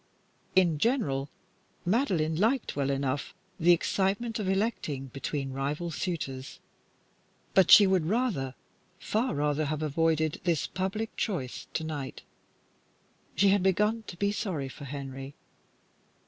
In general, Madeline liked well enough the excitement of electing between rival suitors, but she would rather, far rather, have avoided this public choice tonight. She had begun to be sorry for Henry.